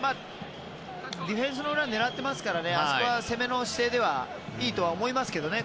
ディフェンスの裏を狙っていますからあそこは攻めの姿勢ではいいとは思いますけどね。